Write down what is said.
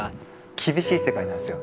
厳しい世界なんですよ